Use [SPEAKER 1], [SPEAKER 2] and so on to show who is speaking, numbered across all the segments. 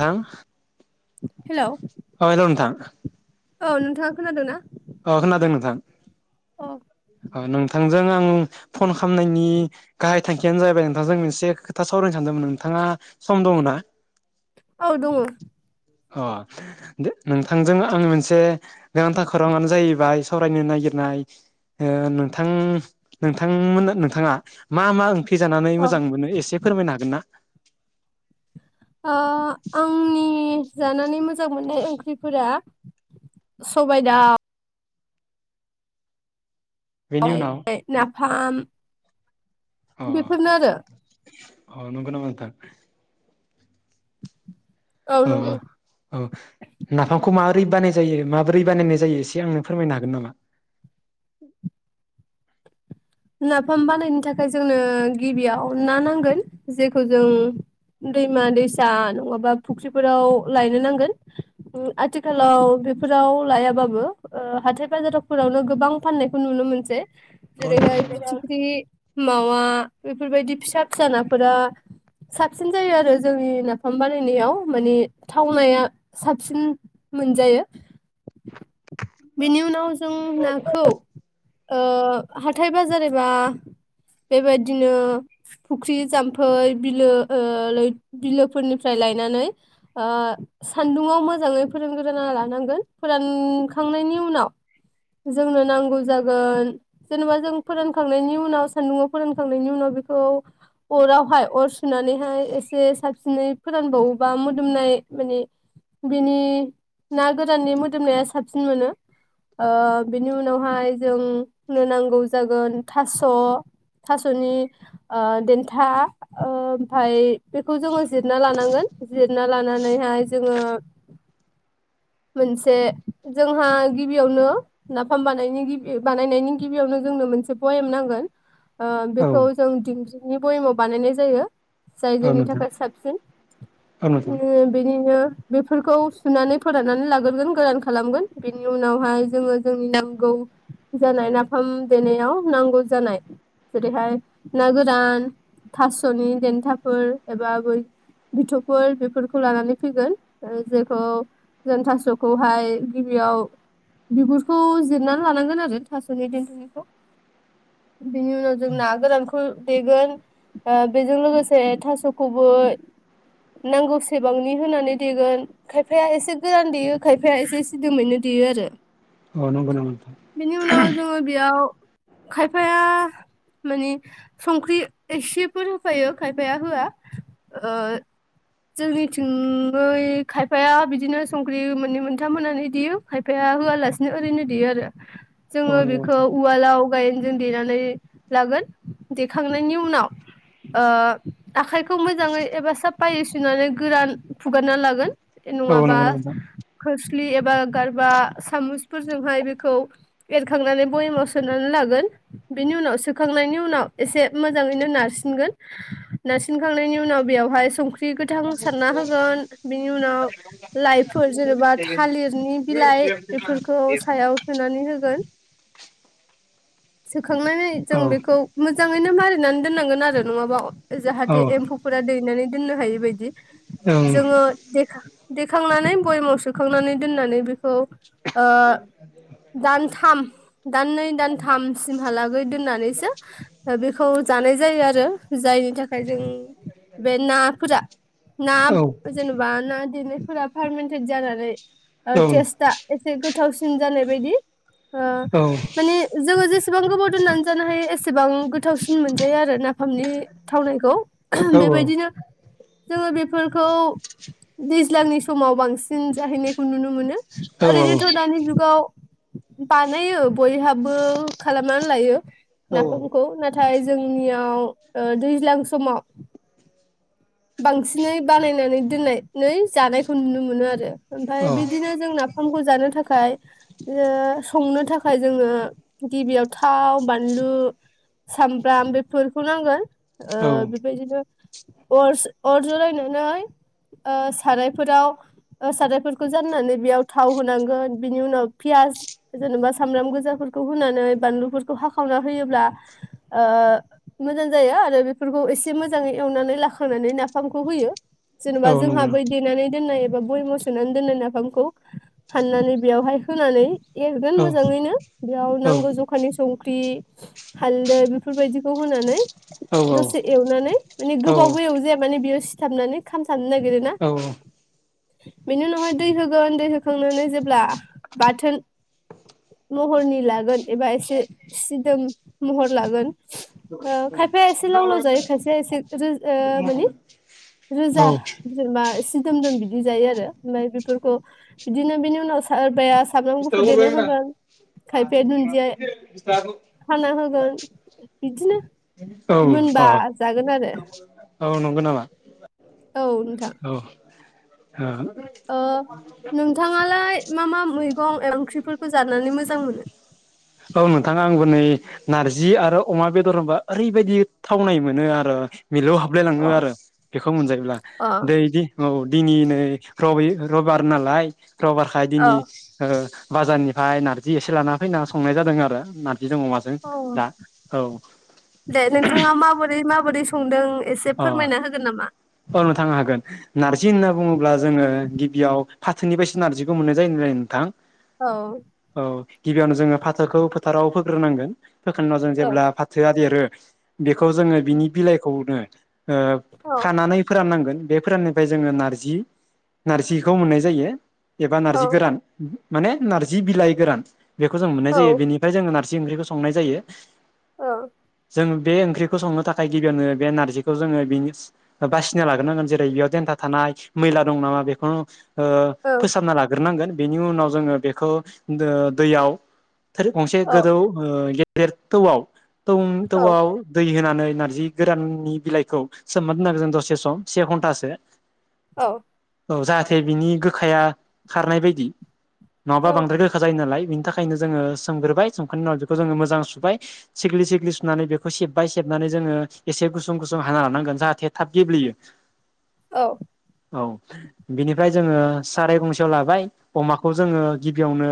[SPEAKER 1] थां
[SPEAKER 2] हेलौ
[SPEAKER 1] अ हेल' नोंथां।
[SPEAKER 2] औ नोंथाङा खोनादोंना?
[SPEAKER 1] अ खोनादों नोंथां
[SPEAKER 2] औ
[SPEAKER 1] अ नोंथांजों आं फन खालामनायनि गाहाइ थांखियानो जाहैबाय नोंथांजों मोनसे खोथा सावरायनो सानदोंमोन नोंथाङा सम दङ ना?
[SPEAKER 2] औ दङ।
[SPEAKER 1] अ दे नोंथांजों आं मोनसे गोनांथार खौराङानो जाहैबाय सावरायनो नागिरनाय ओ नोंथां नोंथांमोना नोंथाङा मा मा ओंख्रि‌‌फोर खै जानानै
[SPEAKER 2] औ
[SPEAKER 1] मोजां मोनो एसे फोरमायनो हागोनना?
[SPEAKER 2] अ आंनि जानानै मोजां मोननाय ओंख्रिफोरा सबाय दाव
[SPEAKER 1] बेनि उनाव
[SPEAKER 2] [unintelligible] फाम
[SPEAKER 1] अ
[SPEAKER 2] बेफोरनो आरो
[SPEAKER 1] अ नंगौ नामा नोंथां? औ ओ, औ नाफामखौ मा माबोरै बानाय जायो, माबोरै बानायनाय जायो एसे आंनो फोरमायनो हागोन नामा?
[SPEAKER 2] नाफाम बानायनो थाखाय जोंनो गिबियाव ना नांगोन जे खौ जों दैमा-दैसा नङाबा फुख्रिफोराव लायनो नांगोन, आथिखालाव बेफोराव लायाबाबो ओ हाथाय बाजारावफोरावनो गोबां फाननायखौ नुनो मोनसै । जेरैहाय फिथिग्रि मावा बेफोरबायदि फिसा-फिसा नाफोरा साबसिन जायो आरो जोंनि नाफाम बानायनायाव माने थावनाया साबसिन मोनजायो । बेनि उनाव जों नाखौ ओ हाथाय बाजार एबा बेबायदिनो फुख्रि, जाम्फै, बिलो, ओ लै बिलोफोरनिफ्राय लायनानै आ सान्दुंङाव मोजाङै फोरानग्रोना लानांगोन फोरान खांनायनि उनाव जोंनो नांगौ जागोन जेनेबा जों फोरानखांनायनि उनाव सान्दुंङाव फोरानखांनायनि उनाव बेखौ अरावहाय अर सुनानैहाय एसे साबसिनै फोरानबावोबा मोदोमनाय माने बिनि ना गोराननि मोदोमनाया साब साबसिन मोनो ओ बेनि उनावहाय जों नो नांगौ जागोन थास' थास'नि ओ देन्था ओ ओमफ्राय बेखौ जोङो जिरना लानांगोन जिरना लानानैहाय जोङो मोनसे जोंहा गिबियावनो नाफाम बानायनायनि गिबि- बानायनायनि गिबियावनो जोंनो मोनसे भयेम नांगोन। ओ
[SPEAKER 1] औ
[SPEAKER 2] बेखौ जों दिंग्रिनि बयमाव बानायनाय जायो। जाय
[SPEAKER 1] औ
[SPEAKER 2] जोंनि
[SPEAKER 1] नोंथां
[SPEAKER 2] थाखाय साबसिन
[SPEAKER 1] औ नोंथां
[SPEAKER 2] उम बेनिनो बेफोरखौ सुनानै फोराननानै लाग्रोगोन गोरान खालामगोन बेनि उनावहाय जोङो जोंनि नांगौ जानाय नाफाम देनायाव नांगौ जानाय जेरैहाय ना गोरान थास'नि देन्थाफोर एबा बै बिथौफोर बेफोरखौ लानानै फैगोन जेखौ जों थासखौहाय गिबियाव बिगुरखौ जिरनानै लानांगोन आरो थास'नि देन्थानिखौ बेनि उनाव जों ना गोरानखौ देगोन ओ बेजों लोगोसे थास'खौबो नांगौ सेबांनि होनानै देगोन खायफाया एसे गोरान देयो खायफाया एसे सिदोमैनो देयो आरो
[SPEAKER 1] औ नंगौ नामा नोंथां
[SPEAKER 2] बेनि उनाव जोङो बेयाव खायफाया माने संख्रि एसेफोर होफायो खायफाया होआ ओ जोंनिथिंयै खायफाया बिदिनो संख्रि मोननै मोनथाम होननानै देयो खायफाया होआलासिनो ओरैनो देयो आरो
[SPEAKER 1] औ
[SPEAKER 2] जोङो
[SPEAKER 1] नंगौ
[SPEAKER 2] बेखौ उवालाव गायेन जों देनानै लागोन देखांनायनि उनाव ओ आखाइखौ मोजाङै एबा साफायै सुनानै गोरान हुगारना लागोन
[SPEAKER 1] नोंथां औ
[SPEAKER 2] नङाबा
[SPEAKER 1] नंगौ नामा नोंथां
[SPEAKER 2] खोस फुलि एबा गारबा सामुसफोरजोंहाय बेखौ एखांनानै बयमाव सोनानै लागोन बेनि उनाव सोखांनायनि उनाव एसे मोजांयैनो नारसिनगोन नारसिनखांनायनि उनाव बेयावहाय संख्रि बि गोथां सारना होगोन बिनि उनाव लाइ फोर जेनबा थालिरनि बिलाइ बेफोरखौ सायाव होनानै होगोन सो खांनानै
[SPEAKER 1] औ
[SPEAKER 2] जों बेखौ मोजां यैनो मारिनानै दोननांगोन आरो नङाबा जाहाथे
[SPEAKER 1] औ
[SPEAKER 2] एम्फौफोरा दैनानै दोननो हायि बायदि
[SPEAKER 1] ओं
[SPEAKER 2] जोङो देखां देखांनानै बयामाव सोखांनानै दोननानै बेखौ ओ दानथाम दाननै दान थाम सिमहालागै दोननानैसो ओ बेखौ जानाय जायो आरो जायनि थाखाय जों बे नाफोरा ना
[SPEAKER 1] औ
[SPEAKER 2] जेनबा ना देनायफोरा पारमेन्टेट जानानै ओ तेस्ता एसे गोथावसिन जानाय बायदि ओ
[SPEAKER 1] औ
[SPEAKER 2] माने जोङो जेसेबां गोबाव दोननानै जानो हायो एसेबां गोथावसिन मोनजायो आरो नाफामनि थावनायखौ
[SPEAKER 1] औ
[SPEAKER 2] बेबायदिनो जोङो बेफोरखौ दैज्लांनि समाव बांसिन जाहैनायखौ नुनो मोनो। आरैनोथ दानि जु गाव बानायो बयहा बो खालामनानै लायो नाफामखौ नाथाय जोंनियाव दैज्लां ओ समाव बांसिनै बानायनानै दोननानै जानायखौ नुनो मोनो। आरो ओमफ्राय बिदिनो जों नाफामखौ जानो थाखाय ओ संनो थाखाय जोङो गिबियाव थाव बानलु सामब्राम बेफोरखौ नांगोन ओ
[SPEAKER 1] औ
[SPEAKER 2] बेबायदिनो अर अर जरायनानै ओ सारायफोराव ओ सारायफोरखौ जाननानै बेयाव थाव होनांगोन बिनि उनाव पियास जेनेबा सामब्राम गोजाफोरखौ होनानै बानलुफोरखौ हाखावना होयोब्ला ओ मोजां जायो आरो बेफोरखौ एसे मोजाङै एवनानै ला खांनानै नाफामखौ होयो। जेनेबा
[SPEAKER 1] औ नंगौ
[SPEAKER 2] जोंहाबो देनानै दोन्नाय एबा बयाम सोनानै दोननाय नाफामखौ हाननानै बेयावहाय होनानै एरगोन
[SPEAKER 1] औ
[SPEAKER 2] मोजाङैनो बेयाव
[SPEAKER 1] औ औ
[SPEAKER 2] नांगौ जखानि संख्रि हालदै बेफोरबायदिखौ होनानै
[SPEAKER 1] औ
[SPEAKER 2] दसे एवनानै माने गोबाव बैयाव जे माने बियो सि थाबनानै खाम नो नागिरोना। बेनि उनावहाय दै होगोन दै होखांनानै जेब्ला बाथोन महरनि लागोन एबा एसे सिदोम महर लागोन ओ खायफाया एसे लाव लाव जायो खायसेया एसे रो ओ माने रोजा
[SPEAKER 1] औ
[SPEAKER 2] जेनेबा आ सिदोम दोम बिदि जायो आरो ओमफ्राय बेफोरखौ बिदिनो बिनि उनाव सोरबाया सामब्राम गुफुर देना होगोन खायफाया दुन्दिया हाना होगोन बिदिनो
[SPEAKER 1] अ
[SPEAKER 2] मोनबा जागोन आरो
[SPEAKER 1] औ नंगौ नामा
[SPEAKER 2] औ नोंथां
[SPEAKER 1] औ
[SPEAKER 2] ओ नोंथाङालाय मा मा मैं गं ओंख्रिफोरखौ जानानै मोजां मोनो?
[SPEAKER 1] औ नोंथां आंबो नै नारजि आरो अमा बेदर होनबा ओरैबायदि थावनाय मोनो आरो मिलौ हाबलायलाङो
[SPEAKER 2] अ
[SPEAKER 1] आरो बेखौ मोनजायोब्ला
[SPEAKER 2] अ
[SPEAKER 1] दैदि औ दिनै नै रबि रबबार नालाय रबारखाय
[SPEAKER 2] अ
[SPEAKER 1] दिनै ओ बाजारनिफ्राय नारजि एसे लाना फैना सनाय जादों आरो नार
[SPEAKER 2] औ दे नोंथाङा माबोरै माब बोरै संदों एसे
[SPEAKER 1] अ
[SPEAKER 2] फोरमायना होगोन नामा?
[SPEAKER 1] औ नोंथां हागोन नारजि होनना बुङो ब्ला जोङो गिबियाव फाथोनिफायसो नारजिखौ मोननाय जायोन जायोन नोंथां
[SPEAKER 2] औ
[SPEAKER 1] औ गिबियावनो जोङो फाथोखौ फोथाराव फोग्रोनांगोन फोखांना जों
[SPEAKER 2] औ
[SPEAKER 1] जेब्ला फाथोआ देरो बेखौ जोङो बिनि बिलाइखौनो ओ
[SPEAKER 2] औ
[SPEAKER 1] खानानै फोरान नांगोन बे फोराननिफ्राय जोङो नारजि नारजिखौ मोननाय जायो एबा
[SPEAKER 2] औ
[SPEAKER 1] नारजि गोरान माने नारजि बिलाइ गोरान बेखौ जों मोननाय
[SPEAKER 2] औ
[SPEAKER 1] जायो बेनिफ्राय जों नार जि ओंख्रिखौ संनाय जायो
[SPEAKER 2] औ
[SPEAKER 1] जों बे ओंख्रिखौ संनो थाखाय गिबियावनो बे नारजि खौ जोङो बिनिस बासिनो लाग्रोनांगोन जेरै बेयाव देन्था थानाय मैला दं नामा बेखौ ओ
[SPEAKER 2] औ
[SPEAKER 1] फोसाबना लाग्रोनांगोन बेनि उनाव जोङो बेखौ ओ दैयाव गंसे
[SPEAKER 2] औ
[SPEAKER 1] गोदौ एर थौ आव थौम
[SPEAKER 2] औ
[SPEAKER 1] थौआव दै होनानै नारजि गोराननि बिलाइखौ सोमना दोनो आरो जों दसे सम से घन्टासो।
[SPEAKER 2] औ।
[SPEAKER 1] औ जाहाथे बिनि गोखाया खारनाय बायदि। नङाबा
[SPEAKER 2] औ
[SPEAKER 1] बांद्राय गोखा जायो नालाय बिनि थाखायनो जोङो सोमग्रोबाय सोमखांनायनि उनाव बेखौ जोङो मोजां सुबाय सिग्लि सिग्लि सुनानै बेखौ सेबबाय सेबनानै जोङो एसे गुसु सुं गुसुं हाना लानांगोन जाहाथे थाब गेब्लेयो।
[SPEAKER 2] औ।
[SPEAKER 1] औ बिनिफ्राय जोङो साराय गंसेयाव लाबाय अमाखौ जोङो गिबियावनो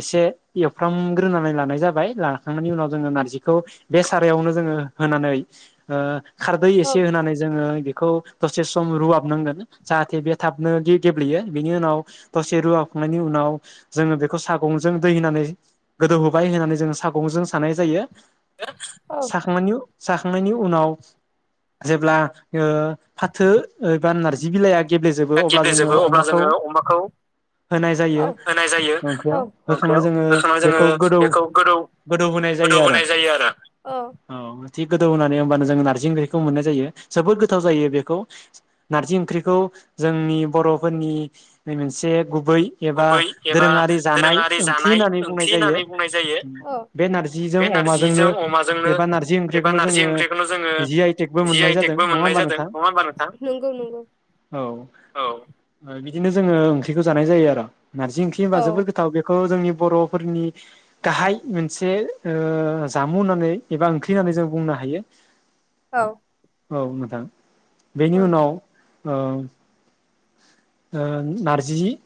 [SPEAKER 1] एसे एवफ्रामग्रोनानै लानाय जाबाय, लाखांनायनि उनाव जोङो नारजिखौ बे सारायावनो जोङो होनानै ओ खारदै
[SPEAKER 2] औ
[SPEAKER 1] एसे होनानै जोङो बे खौ दसे सम रुवाबनांगोन जाहाथे बे थाबनो गेब्लेयो। बेनि उनाव दसे रुवाखांनायनि उनाव जोङो बेखौ सागंजों दै होनानै गोदौहोबाय होननानै जोङो सागंजों सानाय जायो।
[SPEAKER 2] [unintelligible] औ।
[SPEAKER 1] साखांनायनि साखांनायनि उनाव जेब्ला ओ फाथो एबा नारजि बिलाइआ गेब्लेजोबो
[SPEAKER 2] दा
[SPEAKER 1] अब्ला जोङो
[SPEAKER 2] गेब्लेजोबो अब्ला
[SPEAKER 1] अमाखौ
[SPEAKER 2] जोङो अमाखौ
[SPEAKER 1] होनाय जायो
[SPEAKER 2] होनाय जायो
[SPEAKER 1] होखांनानै
[SPEAKER 2] ओंख्रियाव
[SPEAKER 1] जोङो
[SPEAKER 2] होखांनानै जोङो
[SPEAKER 1] बेखौ गोदौ
[SPEAKER 2] बेखौ गोदौ
[SPEAKER 1] गोदौ होनाय जायो
[SPEAKER 2] गोदौ
[SPEAKER 1] आरो
[SPEAKER 2] होनाय जायो आरो।
[SPEAKER 1] [unintelligible] गोदौ होनानै होनबानो जों नारजि ओंख्रि खौ मोननाय जायो जोबोद गोथाव जायो बेखौ नारजि ओंख्रिखौ जोंनि बर'फोरनि मोनसे गुबै एबा
[SPEAKER 2] गुबै एबा
[SPEAKER 1] दोरोङारि जानाय
[SPEAKER 2] दोरोङारि
[SPEAKER 1] ओंख्रि
[SPEAKER 2] जानाय
[SPEAKER 1] होननानै बुंनाय
[SPEAKER 2] ओंख्रि
[SPEAKER 1] जायो।
[SPEAKER 2] होननानै बुंनाय जायो
[SPEAKER 1] बे नारजिजों
[SPEAKER 2] बे
[SPEAKER 1] अमाजोंनो
[SPEAKER 2] नारजिजों अमाजोंनो
[SPEAKER 1] एबा नारजि
[SPEAKER 2] एबा
[SPEAKER 1] ओंख्रिखौनो
[SPEAKER 2] नारजि
[SPEAKER 1] जोङो
[SPEAKER 2] ओंख्रिखौनो जोङो
[SPEAKER 1] जि आइ बो
[SPEAKER 2] जि
[SPEAKER 1] मोननाय
[SPEAKER 2] आइ
[SPEAKER 1] जादों
[SPEAKER 2] टेकबो
[SPEAKER 1] नङा
[SPEAKER 2] मोननाय
[SPEAKER 1] होनबा
[SPEAKER 2] जादों
[SPEAKER 1] नोंथां?
[SPEAKER 2] नङा होमबा नोंथां? नंगौ नंगौ
[SPEAKER 1] औ बिदिनो जोङो ओंख्रिखौ जानाय जायो आरो। नारजि ओंख्रि होनबा
[SPEAKER 2] औ
[SPEAKER 1] जोबोद गोथाव बेखौ जोंनि बर'फोरनि गाहाइ मोनसे ओ जामु होननानै एबा ओंख्रि होननानै जों बुंनो हायो।
[SPEAKER 2] औ
[SPEAKER 1] औ नोंथां। बेनि
[SPEAKER 2] औ
[SPEAKER 1] उनाव औ। ओ नारजि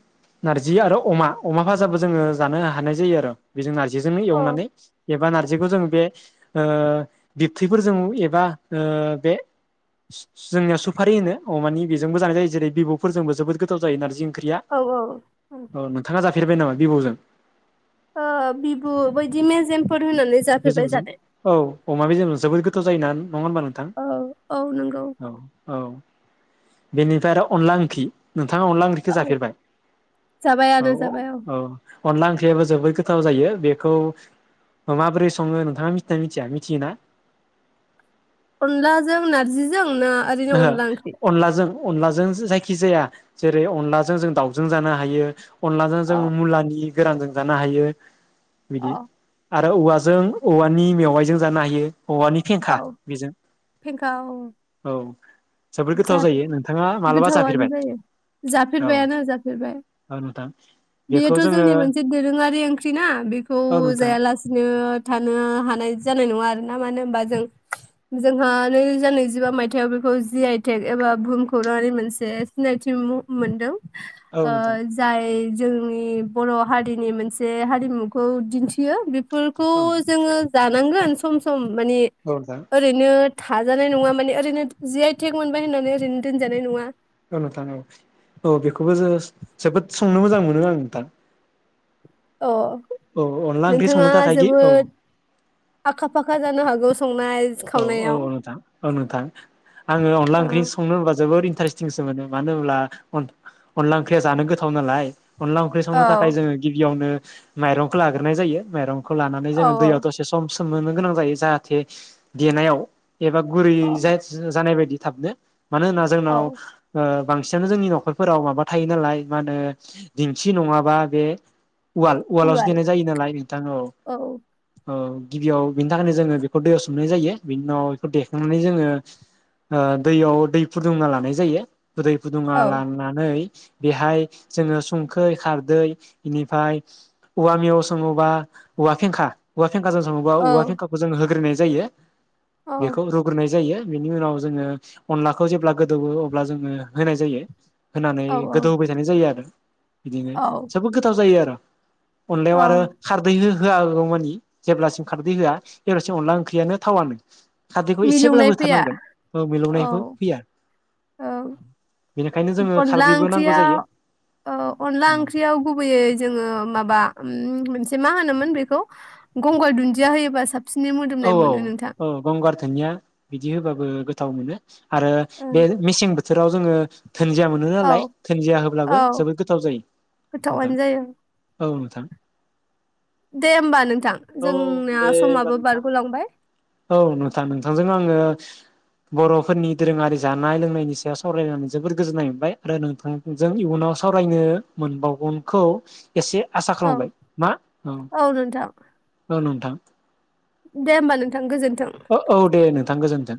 [SPEAKER 1] नारजि आरो अमा, अमा फाजाबो जोङो जानो हानाय जायो आरो बेजों नार जिजोंनो एवनानै
[SPEAKER 2] अ
[SPEAKER 1] एबा नार्जिखौ जों बे ओ बिबथैफोरजों एबा ओ बे जोंनियाव सुफारि होनो अमानि बेजोंबो जानाय जायो। जेरै बिबु फोरजों जोबोद गोथाव जायो नारजि ओंख्रिया।
[SPEAKER 2] औ
[SPEAKER 1] ओ नोंथाङा जा फेरबाय नामा बिबुजों?
[SPEAKER 2] ओ बिबु बैदि मेजेम फोर होनानै जाफेरबाय
[SPEAKER 1] मेजेमजों
[SPEAKER 2] जानाय
[SPEAKER 1] औ अमा मेजेमजों जोबोद गोथाव जायो ना? नङा होनबा नोंथां?
[SPEAKER 2] औ औ नंगौ
[SPEAKER 1] औ। औ बेनिफ्राय आर अनला ओंख्रि नोंथाङा अनला ओंख्रिखौ
[SPEAKER 2] औ
[SPEAKER 1] जाफेरबाय? औ
[SPEAKER 2] जाबायानो जाबाय
[SPEAKER 1] औ औ। अनला ओंख्रियाबो जोबोद गोथाव जायो। बेखौ माबोरै सङो, नोंथाङा मिथियोना मिथिया मिथियोना?
[SPEAKER 2] अनलाजों नारजिजों? ना आजिजों
[SPEAKER 1] ओहो
[SPEAKER 2] अनला ओंख्रि?
[SPEAKER 1] अनलाजों अनलाजों जायखि जाया जेरै- अनलाजों जों दाउजों जानो हायो। अनलाजों
[SPEAKER 2] अ
[SPEAKER 1] जोङो मुलानि गोरानजों जानो हायो।
[SPEAKER 2] अ
[SPEAKER 1] बिदि। आरो औवाजों औवानि मेवाइजों जानो हायो। औवानि
[SPEAKER 2] औ
[SPEAKER 1] फेंखा बेजों। [inaudible]
[SPEAKER 2] जाथ
[SPEAKER 1] जायो नोंथाङा मालाबा
[SPEAKER 2] गोथावानो
[SPEAKER 1] जाफेरबाय
[SPEAKER 2] जायो
[SPEAKER 1] औ
[SPEAKER 2] जाफेरबायानो जाफेरबाय
[SPEAKER 1] औ नोंथां बेखौ
[SPEAKER 2] बेयोथ'
[SPEAKER 1] जोङो
[SPEAKER 2] जोंनि मोनसे दोरोङारि ओंख्रि ना बेखौ
[SPEAKER 1] औ नोंथां
[SPEAKER 2] जायालासिनो थानो हानाय जानाय नङा आरो ना मानो होनबा जों जोंहा नैरोजा नैजिबा मायथाइयाव बेखौ जि आइ टेक एबा बुहुम खौरांनि मोनसे सिनायथि मोनदों।
[SPEAKER 1] औ
[SPEAKER 2] ओ
[SPEAKER 1] नोंथां
[SPEAKER 2] जाय जोंनि बर' हारिनि मोनसे हारिमुखौ दिन्थियो बे फोरखौ
[SPEAKER 1] औ
[SPEAKER 2] जोङो जानांगोन सम सम मानि
[SPEAKER 1] नोंथां
[SPEAKER 2] ओरैनो थाजानाय नङा माने ओरैनो जे थेग मोनबाय होननानै ओरैनो दोनजानाय नङा।
[SPEAKER 1] औ नोंथां औ औ बेखौबो जोस जोबोद संनो मोजां मोनो आं नोंथां।
[SPEAKER 2] अ
[SPEAKER 1] औ अनला ओंख्रि
[SPEAKER 2] नोंथाङा
[SPEAKER 1] संनो थाखाय औ
[SPEAKER 2] जोबोद आखा फाखा जानो हागौ संनाय
[SPEAKER 1] औ औ
[SPEAKER 2] खावनायाव
[SPEAKER 1] औ नोंथां औ नोंथां आङो अनला
[SPEAKER 2] औ
[SPEAKER 1] ओंख्रि संनो होनबा जोबोद इन्टारेस्टिंसो मोनो मानो होनब्ला अन-अनला ओंख्रिया जानो गोथाव नालाय। अनला ओंख्रि
[SPEAKER 2] औ
[SPEAKER 1] संनो थाखाय जोङो गिबियावनो माइरंखौ लाग्रोनाय जायो माइरं खौ लानानै
[SPEAKER 2] औ
[SPEAKER 1] जोङो दैयाव
[SPEAKER 2] औ
[SPEAKER 1] दसे सम सोमनोनो गोनां जायो जाहाथे देनायाव एबा गुरै
[SPEAKER 2] औ
[SPEAKER 1] जास जानाय बायदि थाबनो मानो होना जोंनाव
[SPEAKER 2] औ
[SPEAKER 1] ओ बांसिनानो जोंनि न'खरफोराव माबा थायो नालाय मा होनो दिन्थि नङाबा बे उवाल उवालावसो
[SPEAKER 2] उवाल
[SPEAKER 1] देनाय जायो नालाय नोंथां औ औ गिबियाव बेनि थाखायनो जोङो बेखौ दैयाव सो मनाय जायो बिनि उनाव बेखौ देखांनानै जोङो ओ दैयाव दै फुदुंना लानाय जायो दै फुदुङा
[SPEAKER 2] औ
[SPEAKER 1] लानानै बेहाय जोङो संखै खारदै इनिफ्राय औवा मेव सङोबा औवा फेंखा औवा फेंखाजों सङोबा औवा
[SPEAKER 2] औ
[SPEAKER 1] फेंखाखौ जों हो गोरोबनाय जायो ।
[SPEAKER 2] औ
[SPEAKER 1] बेखौ रुग्रोनाय जायो बेनि उनाव जोङो अनलाखौ जेब्ला गोदौवो अब्ला जोङो होनाय जायो होनानै
[SPEAKER 2] औ औ
[SPEAKER 1] गोदौहोबाय थानाय जायो आरो बिदिनो
[SPEAKER 2] औ
[SPEAKER 1] सबबो गोथाव जायो आरो अनलायाव आरो
[SPEAKER 2] औ
[SPEAKER 1] खारदै हो होआगौमानि जेब्लासिम खारदै होआ जेबलासिम अनला ओं ख्रियानो थावानो खारदैखौ एसेब्लाबो
[SPEAKER 2] मिलौनाय फैया
[SPEAKER 1] होथारनांगोन
[SPEAKER 2] औ
[SPEAKER 1] मिलौनायखौ फैया
[SPEAKER 2] औ
[SPEAKER 1] बेनिखायनो जोङो
[SPEAKER 2] अनला
[SPEAKER 1] खारदैबो नांगौ
[SPEAKER 2] ओंख्रिया
[SPEAKER 1] जायो
[SPEAKER 2] औ अनला ओंख्रियाव गुबैयै जोङो माबा मोनसे मा होनोमोन बेखौ गंगार दुन्दिया होयोबा साब
[SPEAKER 1] औ औ औ गंगार थोनिया बिदि होबाबो गोथाव मोनो आरो बे मिसिं बोथोराव जोङो धोनजिया मोनो नालाय
[SPEAKER 2] औ
[SPEAKER 1] धोनजिया होब्लाबो
[SPEAKER 2] औ
[SPEAKER 1] जोबोद गोथाव जायो नोंथां
[SPEAKER 2] गोथावानो जायो
[SPEAKER 1] । औ नोंथां
[SPEAKER 2] दे होमबा नोंथां
[SPEAKER 1] औ
[SPEAKER 2] जोंनिया
[SPEAKER 1] दे होमबा
[SPEAKER 2] समाबो
[SPEAKER 1] नोंथां
[SPEAKER 2] बारग
[SPEAKER 1] औ नोंथां नोंथांजों आङो ओ बरफोरनि दोरोङारि जानाय लोंनायनि सायाव सावरायनानै जोबोर गोजोननाय मोनबाय आरो नोंथांजों इयुनाव सावरायनो मोनबावगोनखौ एसे आसा
[SPEAKER 2] औ
[SPEAKER 1] खालामबाय मा औ औ नोंथां
[SPEAKER 2] दे होमबा नोंथां गोजोन
[SPEAKER 1] ओ औ दे नोंथां गोजोन थों